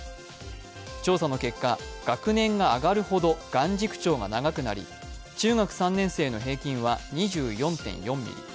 調査の結果、学年が上がるほど眼軸長が長くなり、中学３年生の平均は２４．４ｍｍ。